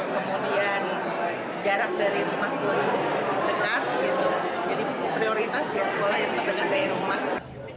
kemudian jarak dari rumah pun dekat gitu jadi prioritas ya sekolah yang terdekat dari rumah